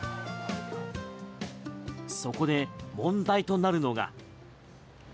そこで問題となるのが。